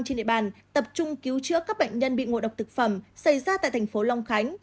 trên địa bàn tập trung cứu chữa các bệnh nhân bị ngội độc thực phẩm xảy ra tại tp long khánh